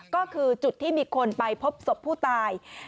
ก็คือจุดที่มีคนไปพบศพผู้ตาย